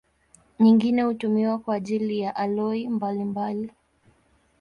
Nyingine hutumiwa kwa ajili ya aloi mbalimbali.